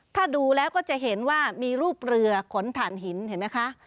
ถ้าดูแล้วก็จะเห็นว่ามีรูปเรือขนถ่านหินเห็นไหมคะ